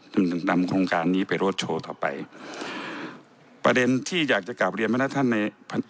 นำโครงการนี้ไปโรชโชว์ต่อไปประเด็นที่อยากจะกราบเรียนเวลาท่านใน